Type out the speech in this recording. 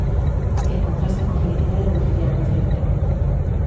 Que contrasta coa felicidade do filial do Celta.